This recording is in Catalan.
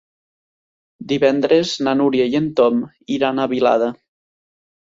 Divendres na Núria i en Tom iran a Vilada.